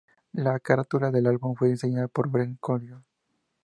La carátula del álbum fue diseñada por Brent Collins.